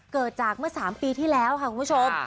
เกิดจากเมื่อ๓ปีที่แล้วค่ะคุณผู้ชม